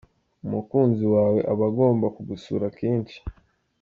Umukunzi wawe aba agomba kugusura kenshi.